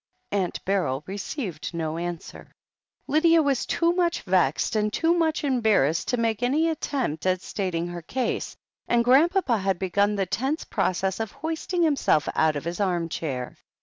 Aunt Beryl received no answer. Lydia was too much vexed and too much embar rassed to make any attempt at stating her case, and Grandpapa had begun the tense process of hoisting himself out of his arm chair.